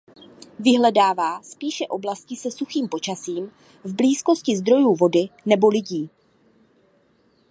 Vyhledává spíše oblasti se suchým počasím v blízkosti zdrojů vody nebo lidí.